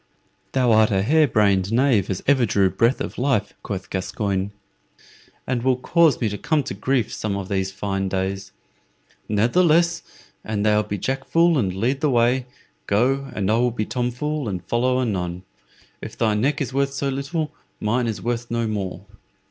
"Thou art a hare brained knave as ever drew breath of life," quoth Gascoyne, "and will cause me to come to grief some of these fine days. Ne'theless, an thou be Jack Fool and lead the way, go, and I will be Tom Fool and follow anon. If thy neck is worth so little, mine is worth no more."